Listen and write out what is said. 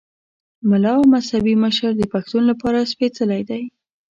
ملا او مذهبي مشر د پښتون لپاره سپېڅلی دی.